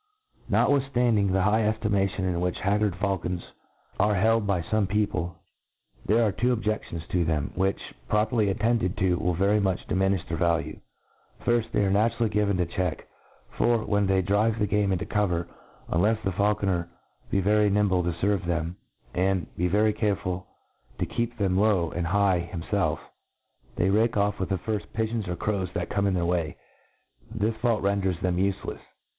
NOTWITHSTANDING the high eftlmation in which haggard faulcons are held by fome peo ple, there are two objeftions to them, which, properly attended to, will very much diminifh their value, Fir/lj They are naturally given to check ^ for^^ when they drive thd game into the cover, uhlcfs the faulconer be^ery nimble to fcrve them, and very careful to keep them low and nigh himfelf, they rake oflF with the firft pigeons or crows that come in their way. This fault renders them ufe lefs.